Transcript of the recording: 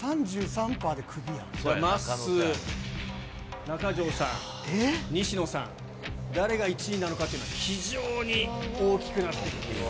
まっすー、中条さん、西野さん、誰が１位なのか、非常に大きくなってきています。